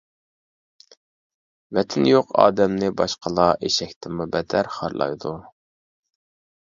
ۋەتىنى يوق ئادەمنى باشقىلار ئېشەكتىنمۇ بەتتەر خارلايدۇ.